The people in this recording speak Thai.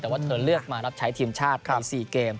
แต่ว่าเธอเลือกมารับใช้ทีมชาติใน๔เกม